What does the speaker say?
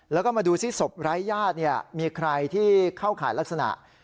แล้วก็มาดูซิศพไร้ญาติมีใครที่เข้าข่ายลักษณะ